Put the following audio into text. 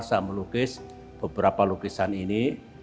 saya melukis beberapa lukisan ini